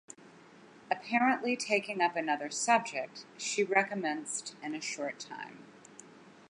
Apparently taking up another subject, she recommenced in a short time.